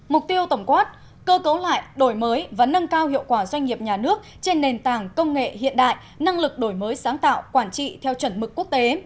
mục tiêu tổng quát cơ cấu lại đổi mới và nâng cao hiệu quả doanh nghiệp nhà nước trên nền tảng công nghệ hiện đại năng lực đổi mới sáng tạo quản trị theo chuẩn mực quốc tế